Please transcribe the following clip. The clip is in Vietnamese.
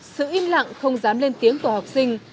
sự im lặng không dám lên tiếng của học sinh